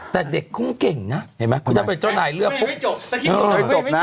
แต่เด็กคงเก่งนะเห็นไหมคุณจะไปเจาะไหลเรื่องปุ๊บ